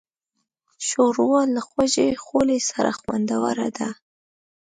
ښوروا له وږې خولې سره خوندوره ده.